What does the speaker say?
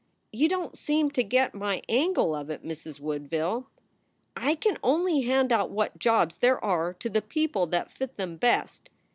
"You don t seem to get my angle of it, Mrs. Woodville. I can only hand out what jobs there are to the people that fit them best.